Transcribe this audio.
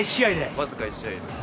僅か１試合で。